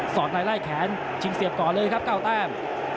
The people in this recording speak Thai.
สอดได้ไล่แขนฉิงเสียบก่อนเลยครับเก้าแต้ม